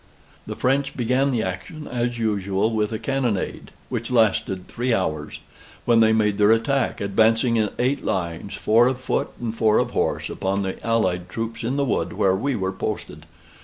The French began the action, as usual, with a cannonade which lasted three hours, when they made their attack, advancing in eight lines, four of foot and four of horse, upon the allied troops in the wood where we were posted.